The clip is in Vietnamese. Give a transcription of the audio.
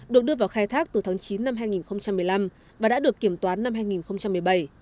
được đưa vào khai thác từ tháng chín năm hai nghìn một mươi năm và đã được kiểm toán năm hai nghìn một mươi bảy